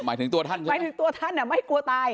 หมายถึงตัวท่านใช่ไหมหมายถึงตัวท่านไม่กลัวตาย